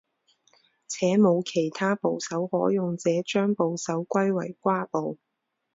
且无其他部首可用者将部首归为瓜部。